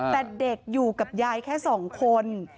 แต่เด็กอยู่กับยายแค่๒คน